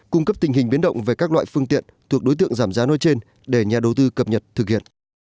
cung cấp tình hình biến động về các loại phương tiện thuộc đối tượng giảm giá nói trên để nhà đầu tư cập nhật thực hiện